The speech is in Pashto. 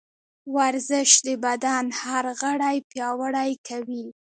ورزش د بدن هر غړی پیاوړی کوي.